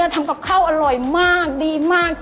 การที่บูชาเทพสามองค์มันทำให้ร้านประสบความสำเร็จ